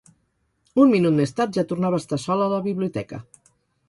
Un minut més tard ja tornava a estar sola a la biblioteca.